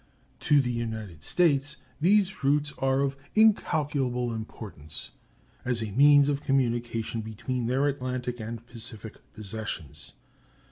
To the United States these routes are of incalculable importance as a means of communication between their Atlantic and Pacific possessions.